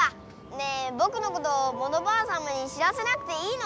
ねえぼくのことモノバアさまに知らせなくていいの？